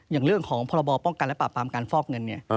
อย่างเรื่องของพรบป้องกันและปราบปรามการฟอกเงินเนี่ย